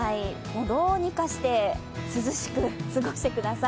どうにかして涼しく過ごしてください。